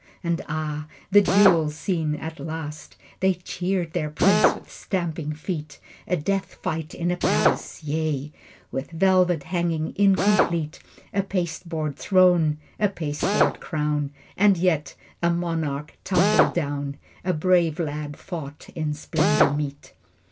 And ah, the duel scene at last! They cheered their prince with stamping feet. A death fight in a palace! Yea, With velvet hangings incomplete, A pasteboard throne, a pasteboard crown, And yet a monarch tumbled down, A brave lad fought in splendor meet.